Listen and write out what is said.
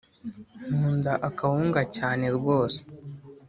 Nkunda akawunga cyane rwose